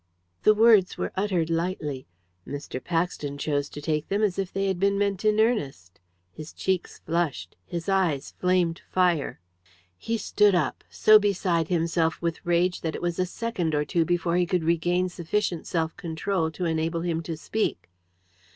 The words were uttered lightly. Mr. Paxton chose to take them as if they had been meant in earnest. His cheeks flushed. His eyes flamed fire. He stood up, so beside himself with rage that it was a second or two before he could regain sufficient self control to enable him to speak.